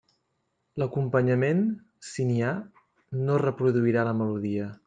L'acompanyament, si n'hi ha, no reproduirà la melodia.